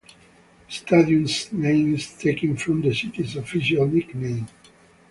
The stadium's name is taken from the city's official nickname.